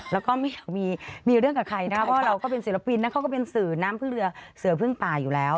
แล้วก็ไม่อยากมีเรื่องกับใครนะครับเพราะเราก็เป็นศิลปินนะเขาก็เป็นสื่อน้ำพึ่งเรือเสือพึ่งป่าอยู่แล้ว